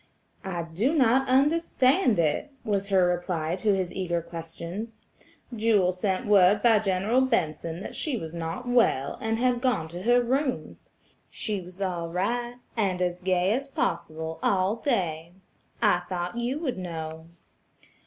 "I do not understand it," was her reply to his eager questions; "Jewel sent word by General Benson that she was not well, and had gone to her rooms. She was all right, and as gay as possible all day. I thought you would know."